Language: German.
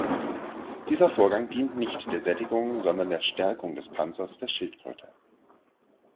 Dieser Vorgang dient nicht der Sättigung, sondern der Stärkung des Panzers der Schildkröte.